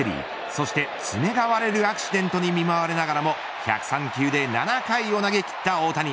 そして爪が割れるアクシデントに見舞われながらも１０３球で７回を投げきった大谷。